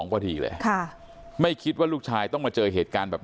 พอดีเลยค่ะไม่คิดว่าลูกชายต้องมาเจอเหตุการณ์แบบ